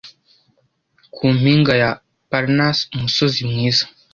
ku mpinga ya parnasi umusozi mwiza